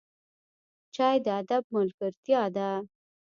چای د ادب ملګرتیا ده